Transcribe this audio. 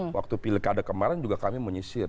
waktu pilkada kemarin juga kami menyisir